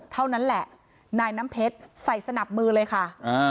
เท่านั้นแหละนายน้ำเพชรใส่สนับมือเลยค่ะ